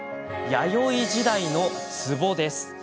弥生時代のつぼです。